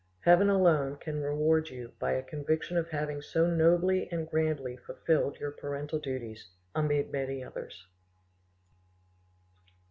Heaven alone can reward you by a conviction of having so nobly and grandly fulfilled your parental duties, amid many others."